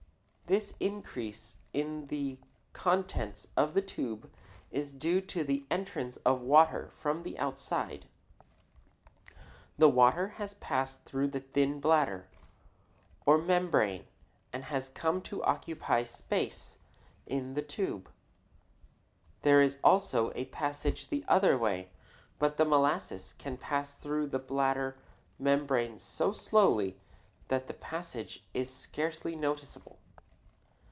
This increase in the contents of the tube is due to the entrance of water from the outside. The water has passed through the thin bladder, or membrane, and has come to occupy space in the tube. There is also a passage the other way, but the molasses can pass through the bladder membrane so slowly that the passage is scarcely noticeable.